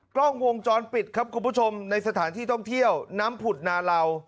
กล้องวงจรปิดครับคุณผู้ชมในสถานที่ท่องเที่ยวน้ำผุดนาเหล่า